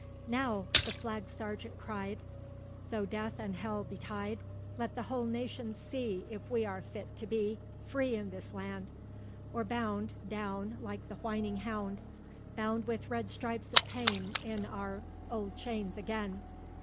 "Now," the flag sergeant cried, "Though death and hell betide, Let the whole nation see If we are fit to be Free in this land; or bound Down, like the whining hound Bound with red stripes of pain In our old chains again!"